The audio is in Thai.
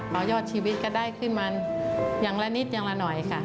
ยอดชีวิตก็ได้ขึ้นมาอย่างละนิดอย่างละหน่อยค่ะ